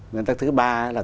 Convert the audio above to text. nguyên tắc thứ ba là